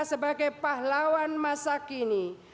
sebagai pahlawan masa kini